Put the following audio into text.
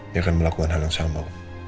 dia akan melakukan hal yang sama